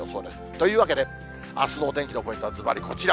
というわけで、あすのお天気のポイントはずばりこちら。